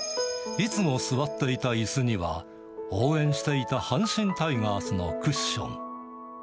いつも座っていたいすには、応援していた阪神タイガースのクッション。